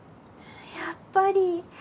やっぱり。